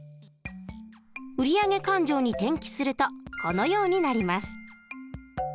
売上勘定に転記するとこのようになります。